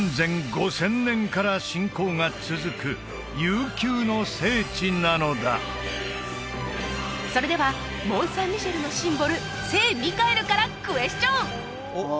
５０００年から信仰が続く悠久の聖地なのだそれではモン・サン・ミシェルのシンボル聖ミカエルからクエスチョン！